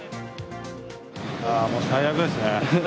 いやー、もう最悪ですね。